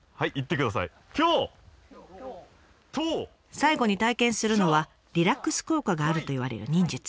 最後に体験するのはリラックス効果があるといわれる忍術。